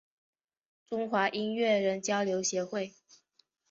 中华音乐人交流协会